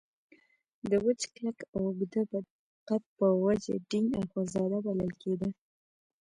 د وچ کلک او اوږده قد په وجه ډینګ اخندزاده بلل کېده.